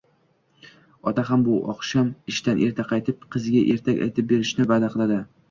Ota ham bu oqshom ishdan erta qaytib, qiziga ertak aytib berishni va`da qildi